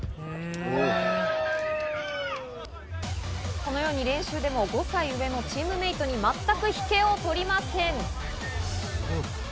このように練習でも、５歳上のチームメートに全く引けをとりません。